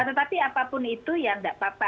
tetapi apapun itu ya nggak apa apa